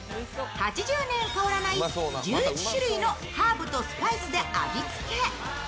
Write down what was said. ８０年変わらない１１種類のハーブとスパイスで味付け。